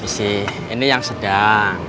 ini yang sedang